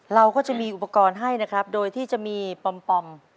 เราก็จะมีอุปกรณ์ให้นะครับโดยที่จะมีปอม